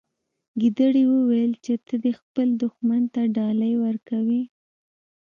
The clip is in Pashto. ګیدړې وویل چې ته خپل دښمن ته ډالۍ ورکوي.